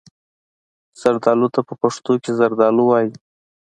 زردالو ته په پښتو کې زردالو وايي.